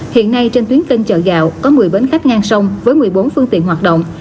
hiện nay trên tuyến kênh chợ gạo có một mươi bến khách ngang sông với một mươi bốn phương tiện hoạt động